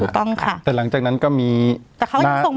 ถูกต้องค่ะแต่หลังจากนั้นก็มีแต่เขาส่งมา